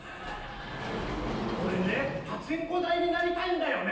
俺ねパチンコ台になりたいんだよね。